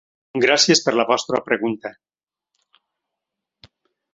Gràcies per la vostra pregunta.